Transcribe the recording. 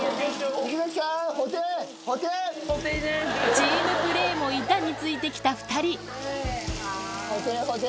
チームプレーも板についてきた２人保定保定。